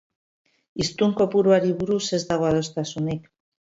Hiztun kopuruari buruz ez dago adostasunik.